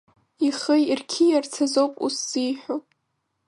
Ихы ирқьиарц азоуп ус зиҳәо!